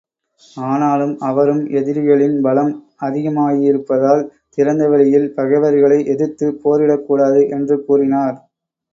ஆனாலும், அவரும் எதிரிகளின் பலம் அதிகமாயிருப்பதால், திறந்த வெளியில் பகைவர்களை எதிர்த்துப் போரிடக் கூடாது என்று கூறினார்.